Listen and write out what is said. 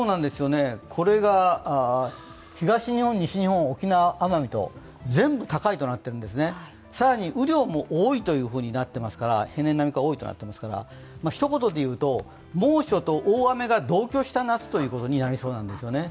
これが東日本、西日本、沖縄・奄美と全部高いとなっているんですね、更に雨量も平年並みか多いとなっていますから、ひと言でいうと、猛暑と大雨が同居した夏となりそうなんですよね。